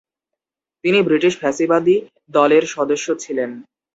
তিনি ব্রিটিশ ফ্যাসিবাদী দলের সদস্য ছিলেন।